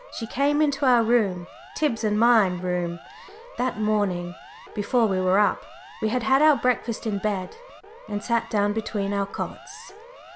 She came into our room Tib's and my room that morning before we were up we had had our breakfast in bed and sat down between our cots.